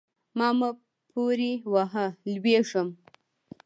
ما مه پورې وهه؛ لوېږم.